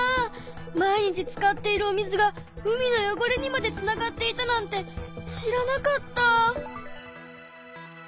毎日使っているお水が海のよごれにまでつながっていたなんて知らなかった。